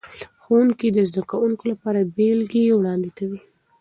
ښوونکي د زده کوونکو لپاره بیلګې وړاندې کوي.